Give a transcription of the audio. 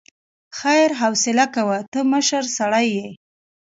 خير حوصله کوه، ته مشر سړی يې.